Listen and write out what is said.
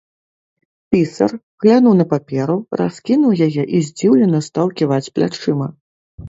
Пісар глянуў на паперу, раскінуў яе і здзіўлена стаў ківаць плячыма.